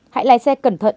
hãy lái xe cẩn thận